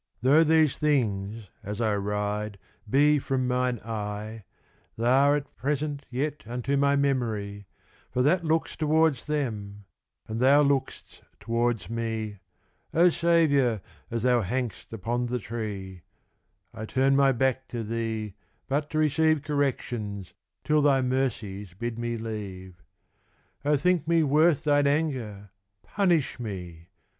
Though these things, as I ride, be from mine eye, They'are present yet unto my memory, For that looks towards them; and thou look'st towards mee,O Saviour, as thou hang'st upon the tree;I turne my backe to thee, but to receiveCorrections, till thy mercies bid thee leave.O thinke mee worth thine anger, punish mee.